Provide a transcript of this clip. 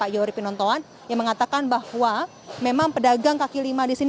yang mengatakan bahwa memang pedagang kaki lima di sini